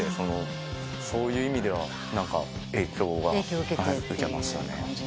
そういう意味では影響は受けましたね。